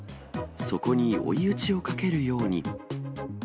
そこに追い打ちをかけるように。